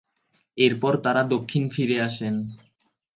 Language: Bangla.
এরপর তারা দক্ষিণ ফিরে আসেন।